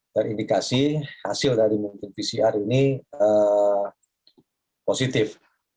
yang indikasi hasil dari mungkin vcr ini positif